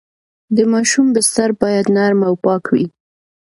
د ماشوم بستر باید نرم او پاک وي۔